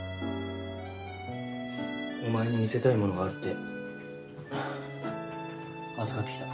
お前に見せたいものがあるって預かってきた。